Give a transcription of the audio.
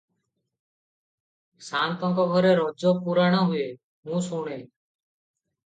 ସାଆନ୍ତଙ୍କ ଘରେ ରୋଜ ପୁରାଣ ହୁଏ, ମୁଁ ଶୁଣେ ।